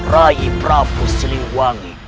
rai prabu selimwangi